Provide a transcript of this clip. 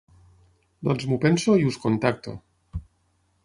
Doncs m'ho penso i us contacto.